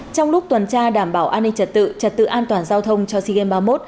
trong lúc tuần tra đảm bảo an ninh trật tự trật tự an toàn giao thông cho sea games ba mươi một